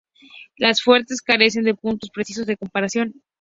Las fuentes carecen de puntos precisos de comparación.